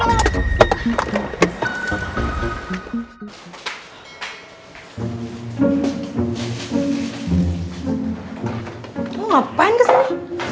lo ngapain kesini